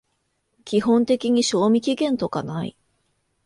基本的に賞味期限とかない